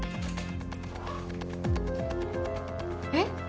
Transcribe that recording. ・えっ？